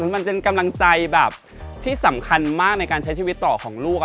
มันเป็นกำลังใจแบบที่สำคัญมากในการใช้ชีวิตต่อของลูก